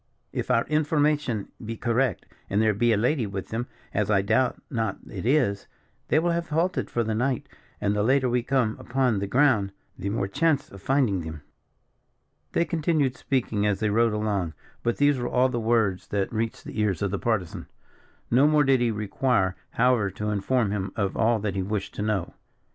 "If our information be correct, and there be a lady with them, as I doubt not it is, they will have halted for the night, and the later we come upon the ground, the more chance of finding them." They continued speaking as they rode along; but these were all the words that reached the ears of the Partisan. No more did he require, however, to inform him of all that he wished to know.